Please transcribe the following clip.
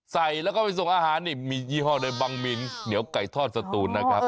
ใส่แล้วก็ไปส่งอาหารนี่มียี่ห้อโดยบังมิ้นเหนียวไก่ทอดสตูนนะครับ